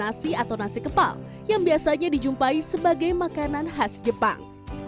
nasi atau nasi kepal yang biasanya dijumpai sebagai makanan khas jepang